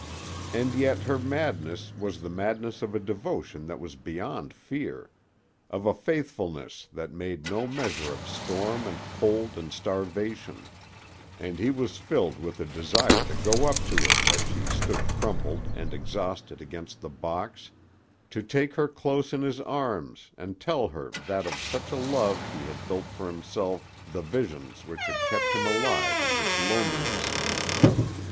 And yet her madness was the madness of a devotion that was beyond fear, of a faithfulness that made no measure of storm and cold and starvation; and he was filled with a desire to go up to her as she stood crumpled and exhausted against the box, to take her close in his arms and tell her that of such a love he had built for himself the visions which had kept him alive in his loneliness.